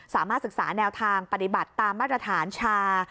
สามารถศึกษาแนวทางปฏิบัติตามมาตรฐานชา